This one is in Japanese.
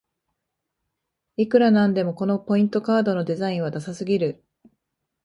いくらなんでもこのポイントカードのデザインはダサすぎる